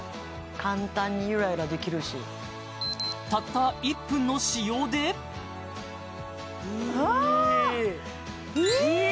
簡単にゆらゆらできるしたった１分の使用でいいあ！